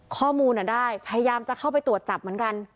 ข้อมูลได้พยายามจะเข้าไปตรวจจับเหมือนกัน